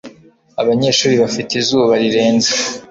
Abanyeshuri bafite izuba rirenze